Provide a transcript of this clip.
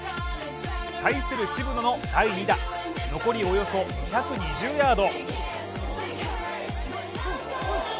対する渋野の第２打残りおよそ２２０ヤード。